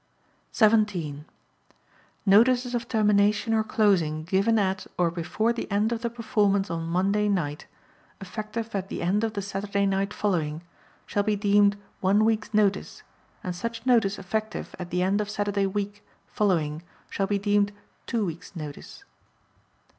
17. Notices of termination or closing given at or before the end of the performance on Monday night, effective at the end of the Saturday night following, shall be deemed one week's notice and such notice effective at the end of Saturday week following shall be deemed two weeks' notice.